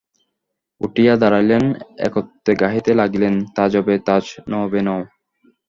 উঠিয়া দাঁড়াইলেন, একত্রে গাহিতে লাগিলেন– তাজবে তাজ নওবে নও।